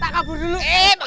kabur dulu ya